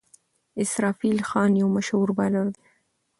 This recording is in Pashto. اسرافیل خان یو مشهور بالر دئ.